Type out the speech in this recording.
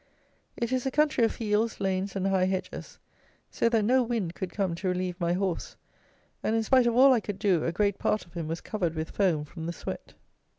It is a country of fields, lanes, and high hedges; so that no wind could come to relieve my horse; and, in spite of all I could do, a great part of him was covered with foam from the sweat.